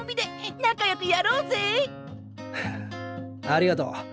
ありがとう。